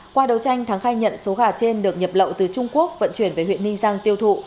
qua đầu tranh thắng khai nhận số gà trên được nhập lậu từ trung quốc vận chuyển về huyện ninh giang tiêu thụ